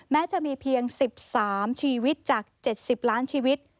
แม้จะมีเพียง๑๓ชีวิตจาก๗๐ล้านชีวิต